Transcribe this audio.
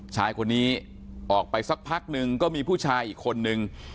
ชายคนนี้ออกไปสักพักนึงก็มีผู้ชายอีกคนนึง